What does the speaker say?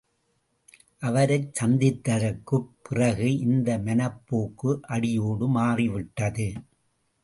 அவரைச் சந்தித்ததற்குப் பிறகு இந்த மனப்போக்கு அடியோடு மாறிவிட்டது.